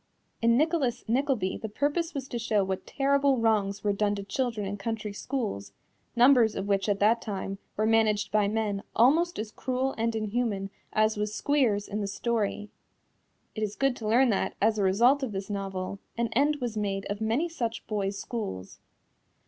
In Nicholas Nickleby the purpose was to show what terrible wrongs were done to children in country schools, numbers of which at that time were managed by men almost as cruel and inhuman as was Squeers in the story. It is good to learn that, as a result of this novel, an end was made of many such boys' schools.